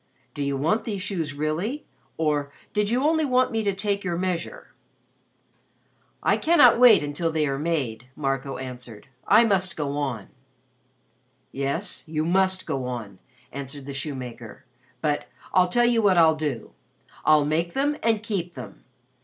"Do you want these shoes really, or did you only want me to take your measure?" "I cannot wait until they are made," Marco answered. "I must go on." "Yes, you must go on," answered the shoemaker. "But I'll tell you what I'll do I'll make them and keep them.